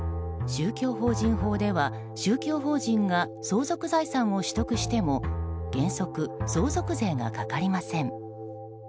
宗教法人法では、宗教法人が相続財産を取得しても原則、相続税がかかりません。